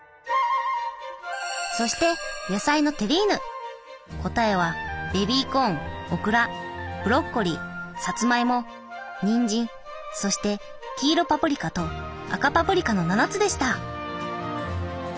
そして答えはベビーコーンオクラブロッコリーサツマイモニンジンそして黄色パプリカと赤パプリカの７つでした。